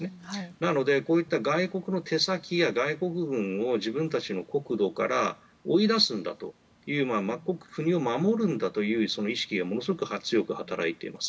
なのでこういった外国の手先や外国軍を自分たちの国土から追い出すんだ国を守るんだという意識がものすごく強く働いています。